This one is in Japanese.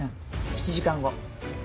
７時間後。